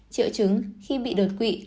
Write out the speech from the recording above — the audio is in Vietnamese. triệu chứng khi bị đột quỵ